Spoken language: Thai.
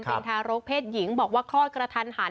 เป็นทารกเพศหญิงบอกว่าคลอดกระทันหัน